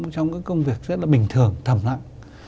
trong cái công việc rất là bình thường thầm lặng